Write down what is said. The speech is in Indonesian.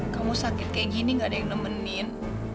kamu sakit kayak gini gak ada yang nemenin